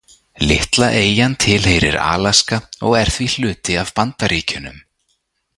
Litla eyjan tilheyrir Alaska og er því hluti af Bandaríkjunum.